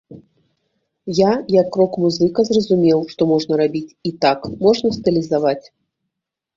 Я, як рок-музыка, зразумеў, што можна рабіць і так, можна стылізаваць.